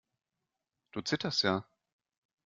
Du zitterst ja!